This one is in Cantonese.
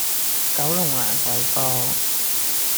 九龍蘭桂坊